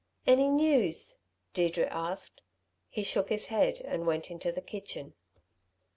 "Any news?" Deirdre asked. He shook his head and went into the kitchen.